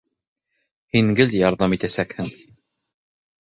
Һин гел ярҙам итәсәкһең.